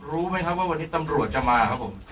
รู้ไหมครับว่าวันนี้ตำรวจจะมาครับผม